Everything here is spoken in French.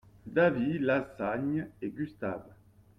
Davy, Lassagne et Gustave.